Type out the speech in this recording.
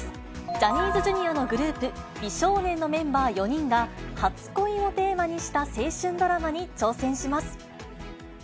ジャニーズＪｒ．のグループ、美少年のメンバー４人が、初恋をテーマにした青春ドラマに挑戦します。